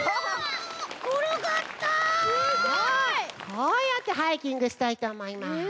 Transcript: こうやってハイキングしたいとおもいます。